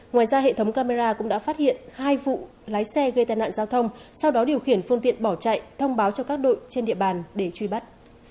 ngoài ra hệ thống camera cũng đã phát hiện hai vụ lái xe gây tai nạn giao thông sau đó điều khiển phương tiện bỏ chạy thông báo cho các đội trên địa bàn để truy bắt